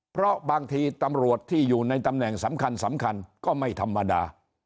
เพราะบางทีตำรวจที่อยู่ในตำแหน่งสำคัญสำคัญก็ไม่ธรรมดา